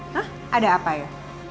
hah ada apa ya